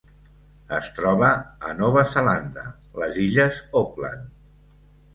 Es troba a Nova Zelanda: les Illes Auckland.